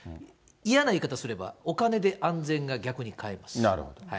嫌な言い方をすれば、お金で安全が逆に買えなるほど。